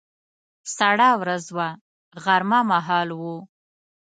سړه ورځ وه، غرمه مهال و.